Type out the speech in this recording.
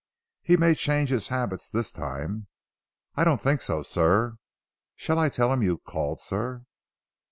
"He may change his habits this time." "I don't think so sir. Shall I tell him you called sir?"